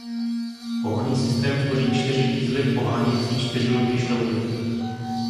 Pohonný systém tvoří čtyři diesely pohánějící čtyři lodní šrouby.